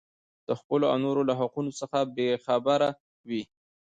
د خپلو او نورو له حقونو څخه بې خبره وي.